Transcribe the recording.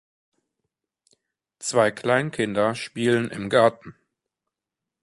Zwei Kleinkinder spielen im Garten.